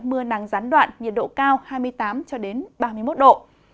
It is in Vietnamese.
mưa nắng gián đoạn nhiệt độ cao hai mươi tám ba mươi một độ